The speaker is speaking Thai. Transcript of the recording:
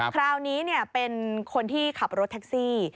คราวนี้เป็นคนที่ขับรถแท็กซี่